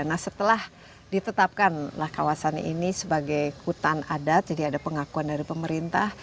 nah setelah ditetapkanlah kawasan ini sebagai hutan adat jadi ada pengakuan dari pemerintah